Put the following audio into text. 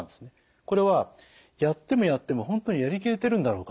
これはやってもやっても本当にやりきれてるんだろうか。